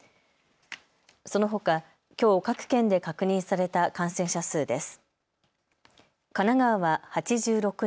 そのほか、きょう各県で確認された感染者数です。